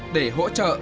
để hỗ trợ